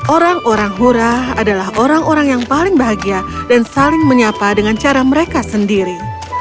orang orang hurah adalah orang orang yang paling bahagia dan saling menyapa dengan cara mereka sendiri